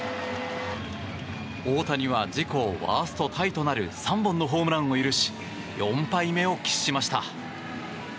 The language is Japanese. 大谷は自己ワーストタイとなる３本のホームランを許し４敗目を喫しました。